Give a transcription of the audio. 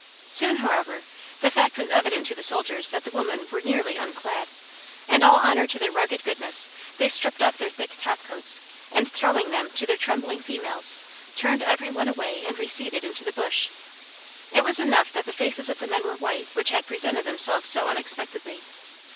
Soon, however, the fact was evident to the soldiers that the women were nearly unclad, and all honor to their rugged goodness, they stripped off their thick topcoats, and throwing them to the trembling females, turned every one away and receded into the bush. It was enough that the faces of the men were white which had presented themselves so unexpectedly.